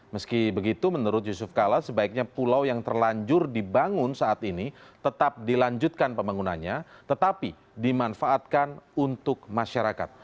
meski begitu menurut yusuf kala sebaiknya pulau yang terlanjur dibangun saat ini tetap dilanjutkan pembangunannya tetapi dimanfaatkan untuk masyarakat